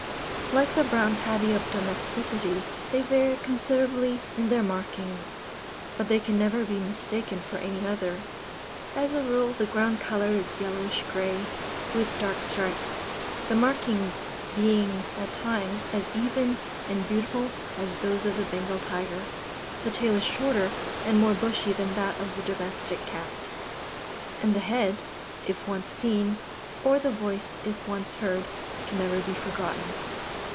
Like the brown Tabby of domesticity, they vary considerably in their markings; but they can never be mistaken for any other. As a rule, the ground colour is yellowish grey, with dark stripes the markings being at times, as even and beautiful as those of the Bengal tiger. The tail is shorter, and more bushy than that of the domestic cat; and the head, if once seen, or the voice, if once heard, can never be forgotten.